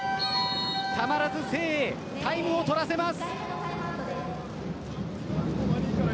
たまらず誠英タイムを取らせます。